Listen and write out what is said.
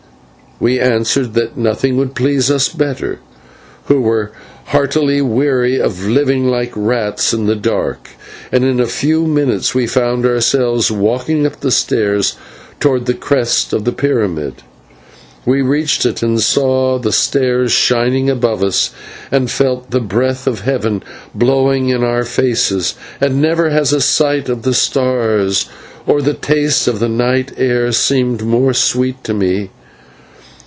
We answered that nothing would please us better, who were heartily weary of living like rats in the dark, and in a few minutes we found ourselves walking up the stairs towards the crest of the pyramid. We reached it, and saw the stars shining above us, and felt the breath of heaven blowing in our faces, and never have the sight of the stars or the taste of the night air seemed more sweet to me.